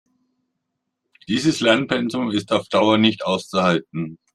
Dieses Lernpensum ist auf Dauer nicht auszuhalten.